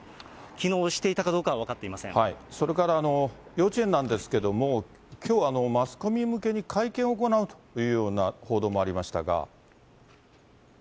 きのう、していたかどうかは分かそれから幼稚園なんですけども、きょう、マスコミ向けに会見を行うというような報道もありましたが。